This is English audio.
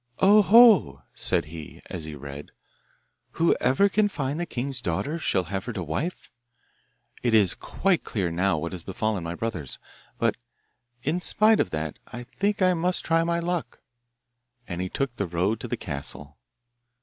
'Oho!' said he, as he read, 'whoever can find the king's daughter shall have her to wife. It is quite clear now what has befallen my brothers. But in spite of that I think I must try my luck,' and he took the road to the castle.